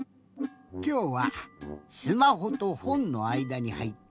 きょうはスマホとほんのあいだにはいってみました。